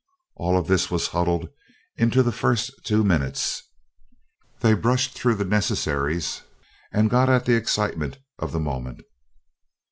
All of this was huddled into the first two minutes. They brushed through the necessaries and got at the excitement of the moment.